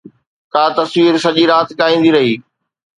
ڪا تصوير سڄي رات ڳائيندي رهي